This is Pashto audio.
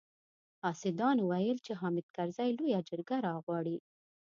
حاسدانو ويل چې حامد کرزي لويه جرګه راغواړي.